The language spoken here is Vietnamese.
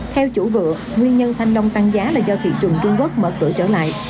theo chủ vựa nguyên nhân thanh nông tăng giá là do thị trường trung quốc mở cửa trở lại